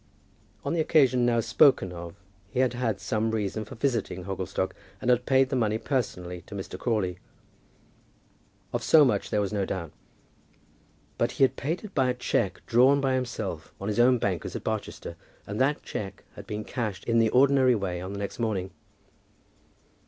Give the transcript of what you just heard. On the occasion now spoken of, he had had some reason for visiting Hogglestock, and had paid the money personally to Mr. Crawley. Of so much there was no doubt. But he had paid it by a cheque drawn by himself on his own bankers at Barchester, and that cheque had been cashed in the ordinary way on the next morning.